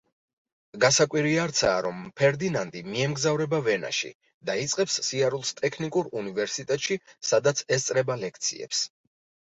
გასაკვირი არცაა, რომ ფერდინანდი მიემგზავრება ვენაში და იწყებს სიარულს ტექნიკურ უნივერსიტეტში, სადაც ესწრება ლექციებს.